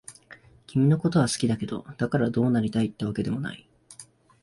君のことは好きだけど、だからどうなりたいってわけでもない。